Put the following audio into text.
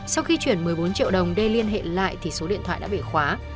sau khi chuyển một mươi bốn triệu đồng đây liên hệ lại thì số điện thoại đã bị khóa